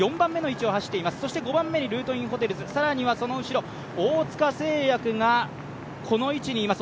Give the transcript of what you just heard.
５番目はルートインホテルズ、更にはその後ろ、大塚製薬がこの位置にいます。